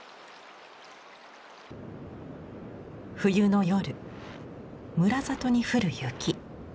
冬の夜村里に降る雪。